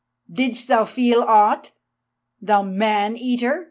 "Didst thou feel aught, thou Man eater?"